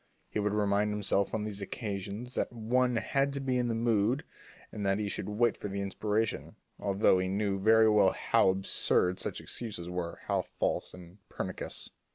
He would tell himself on these occasions that one had to be in the mood and that he should wait for the inspiration, although he knew very well how absurd such excuses were, how false and how pernicious.